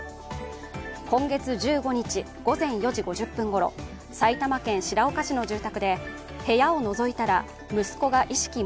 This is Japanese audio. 今月１５日午前４時５０分ごろ、埼玉県白岡市の住宅で、部屋をのぞいたら息子が意識